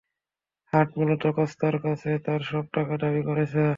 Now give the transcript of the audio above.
Heart মূলত কস্তার কাছে তার সব টাকা দাবি করেছে।